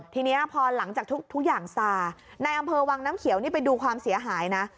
ทีนี้พอหลังจากทุกอย่างซาในอำเภอวังน้ำเขียวนี่ไปดูความเสียหายนะ